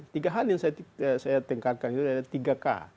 tiga hal yang saya tingkatkan itu adalah tiga k